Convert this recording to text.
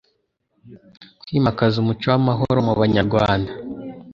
kwimakaza umuco w amahoro mu banyarwanda